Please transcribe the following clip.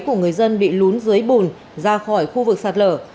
của người dân bị lún dưới bùn ra khỏi khu vực sạt lở